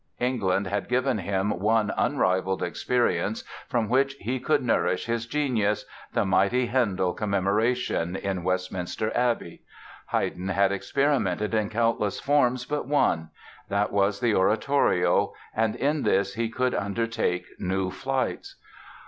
England had given him one unrivaled experience from which he could nourish his genius—the mighty Handel Commemoration, in Westminster Abbey. Haydn had experimented in countless forms, but one. That was the oratorio and in this he could undertake new flights.